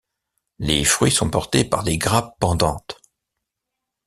Les fruits sont portés par des grappes pendantes.